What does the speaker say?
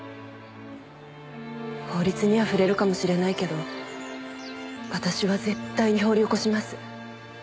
法律には触れるかもしれないけど私は絶対に掘り起こします。